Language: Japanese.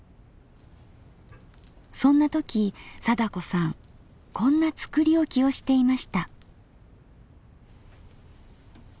そんな時貞子さんこんな作り置きをしていました。